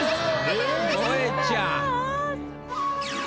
もえちゃん。